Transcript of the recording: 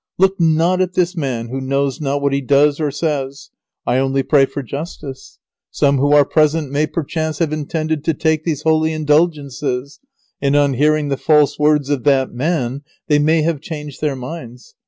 Look not at this man who knows not what he does or says. I only pray for justice. Some who are present may perchance have intended to take these holy Indulgences, and on hearing the false words of that man they may have changed their minds.